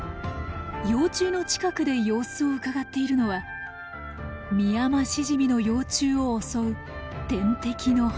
幼虫の近くで様子をうかがっているのはミヤマシジミの幼虫を襲う天敵のハエ。